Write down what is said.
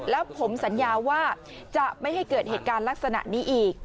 แล้วผมสัญญาว่าจะไม่ให้เกิดเหตุการณ์ลักษณะนี้อีก